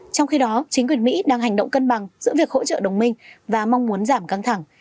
trong khi đó chính quyền mỹ đang hành động cân bằng giữa việc hỗ trợ đồng minh và mong muốn giảm căng thẳng